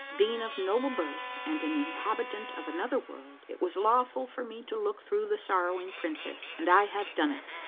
Being of noble birth and an inhabitant of another world, it was lawful for me to look through the sorrowing princess, and I have done it.